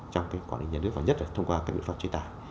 trong cái quản lý nhà nước và nhất là thông qua cái biện pháp chế tài